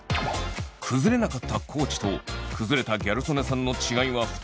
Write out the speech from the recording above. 崩れなかった地と崩れたギャル曽根さんの違いは２つ。